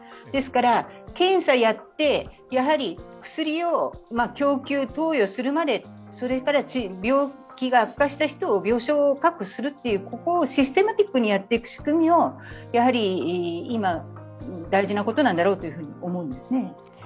ですから、検査やって薬を供給、投与するまでそれから病気が悪化した人を病床確保するというここをシステマティックにやっていく仕組みが今、大事なことなんだろうと思うんですね。